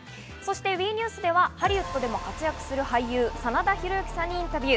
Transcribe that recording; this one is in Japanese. ＷＥニュースではハリウッドでも活躍する俳優・真田広之さんにインタビュー。